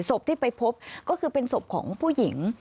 ศพที่ไปพบก็คือเป็นศพของผู้หญิง